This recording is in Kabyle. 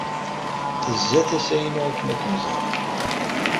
Tezza tasa-inu akken ad kem-ẓreɣ.